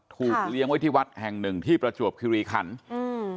เลี้ยงไว้ที่วัดแห่งหนึ่งที่ประจวบคิริขันอืม